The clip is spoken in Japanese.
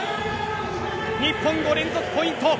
日本、５連続ポイント！